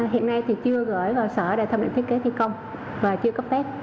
hiện nay thì chưa gửi vào sở để tham định thiết kế thi công và chưa cấp phép